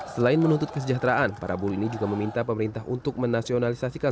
selain menuntut kesejahteraan para buruh ini juga meminta pemerintah untuk menasionalisasikan